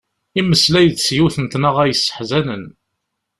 Yemmeslay-d s yiwet n tnaɣa yesseḥzanen.